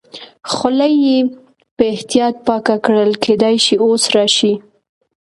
خوله یې په احتیاط پاکه کړل، کېدای شي اوس راشي.